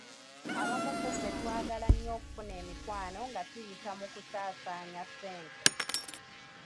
Abamu ku ffe twagala nnyo okufuna emikwano nga tuyita mu kusaasanya ssente.